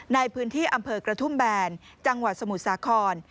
ในพื้นที่อำเภอกระทุ่มแบนจังหวัดสมุทรสาคร